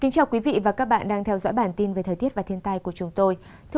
cảm ơn các bạn đã theo dõi và ủng hộ cho bản tin thời tiết và thiên tai của chúng tôi